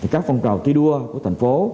các phong trào thi đua của thành phố